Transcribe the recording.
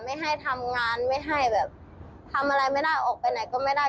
ไม่ให้ทำงานไม่ให้แบบทำอะไรไม่ได้ออกไปไหนก็ไม่ได้